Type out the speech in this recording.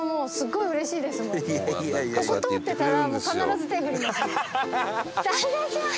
ここ通ってたらもう必ず手振りますもん。